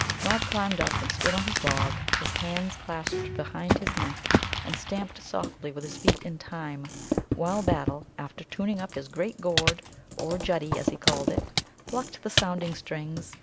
Nod climbed up and stood on his log, his hands clasped behind his neck, and stamped softly with his feet in time, while Battle, after tuning up his great gourd or Juddie, as he called it plucked the sounding strings.